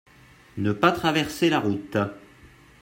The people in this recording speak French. ne pas traverser la route.